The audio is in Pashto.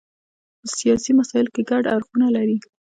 په سیاسي مسایلو کې ګډ اړخونه لري.